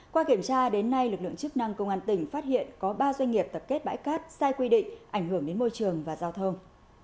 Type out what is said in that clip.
qua kiểm tra đến nay lực lượng chức năng công an tỉnh phát hiện có ba doanh nghiệp tập kết bãi cát sai quy định ảnh hưởng đến môi trường và giao thông